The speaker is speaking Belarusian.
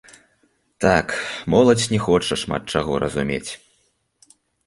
Так, моладзь не хоча шмат чаго разумець.